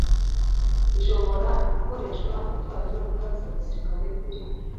bishobora gukoreshwa mu gutwara imodoka za gisirikare kuri .